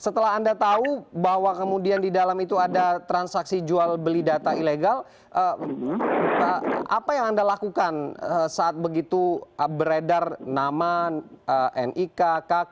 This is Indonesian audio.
setelah anda tahu bahwa kemudian di dalam itu ada transaksi jual beli data ilegal apa yang anda lakukan saat begitu beredar nama nik kk